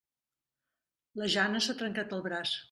La Jana s'ha trencat el braç.